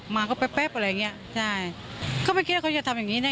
มาเขาแป๊บแป๊บอะไรอย่างเงี้ยใช่เขาไม่คิดว่าเขาจะทำอย่างงี้น่ะ